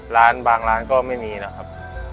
ร้านบางร้านก็ไม่มีนะครับ